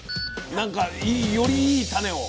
なんかよりいい種を。